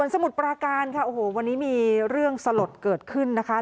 สมุทรปราการค่ะโอ้โหวันนี้มีเรื่องสลดเกิดขึ้นนะคะ